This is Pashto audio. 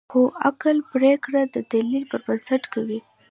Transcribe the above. خو عقل پرېکړه د دلیل پر بنسټ کوي.